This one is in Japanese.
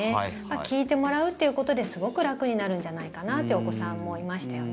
聞いてもらうっていうことですごく楽になるんじゃないかなというお子さんもいましたよね。